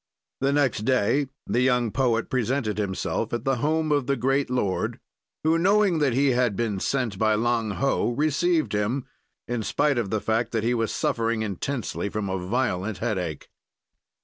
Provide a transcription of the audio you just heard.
"The next day the young poet presented himself at the home of the great lord, who, knowing that he had been sent by Lang Ho, received him in spite of the fact that he was suffering intensely from a violent headache.